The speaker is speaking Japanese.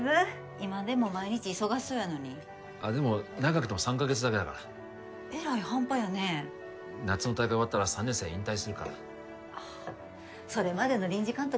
今でも毎日忙しそうやのにあっでも長くても３カ月だけだからえらい半端やね夏の大会終わったら３年生が引退するからああそれまでの臨時監督